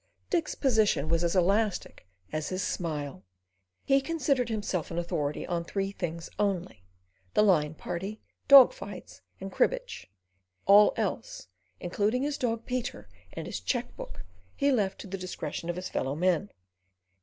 Dick's position was as elastic as his smile. He considered himself an authority on three things only: the line party, dog fights, and cribbage. All else, including his dog Peter and his cheque book, he left to the discretion of his fellow men.